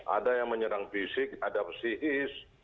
ada yang menyerang fisik ada yang psihis